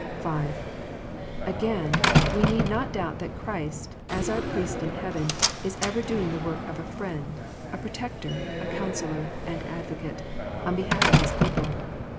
(5) Again : we need not doubt that Christ, as our Priest in heaven, is ever doing the ivork of a Friend, a Protector, a Coun sellor, and Advocate, on behalf of His people.